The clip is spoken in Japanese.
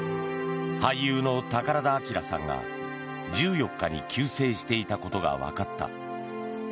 俳優の宝田明さんが１４日に急逝していたことがわかった。